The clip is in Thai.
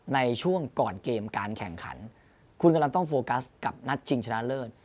ในช่วงก่อนเกมการแข่งขันคุณกำลังต้องโฟกัสกับนัดชิงชนะเลิศ